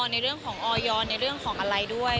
ในเรื่องของออยในเรื่องของอะไรด้วย